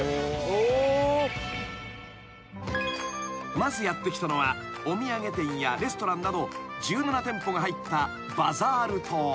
［まずやって来たのはお土産店やレストランなど１７店舗が入った］